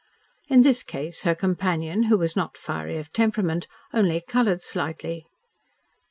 In this case her companion, who was not fiery of temperament, only coloured slightly.